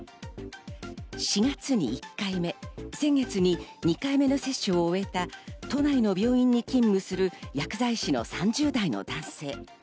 ４月に１回目、先月に２回目の接種を終えた都内の病院に勤務する薬剤師の３０代の男性。